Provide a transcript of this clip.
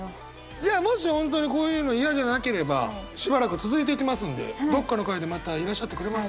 じゃあもし本当にこういうの嫌じゃなければしばらく続いていきますんでどっかの回でまたいらっしゃってくれますか？